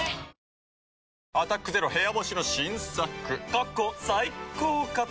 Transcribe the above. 過去最高かと。